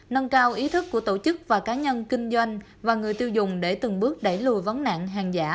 nâng cao ý thức của tổ chức và cá nhân kinh doanh và người tiêu dùng để từng bước đẩy lùi vấn nạn hàng giả